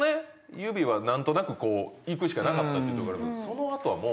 指はなんとなくこういくしかなかったっていうとこあるけどそのあとはもう。